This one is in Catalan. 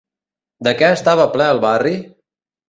De què estava ple el barri?